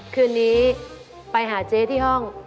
คืนนี้ไปหาเจ๊ที่ห้อง